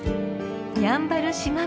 ［やんばる島